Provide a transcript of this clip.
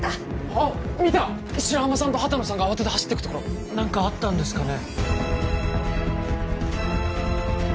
あっ見た白浜さんと畑野さんが慌てて走っていくところ何かあったんですかね？